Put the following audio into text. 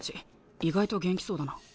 意外と元気そうだな。